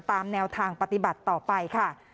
ตามแนวทางปฏิบัติต่อไปค่ะ